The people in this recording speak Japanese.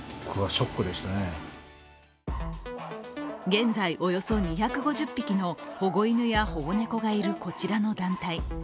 現在、およそ２５０匹の保護犬や保護猫がいるこちらの団体。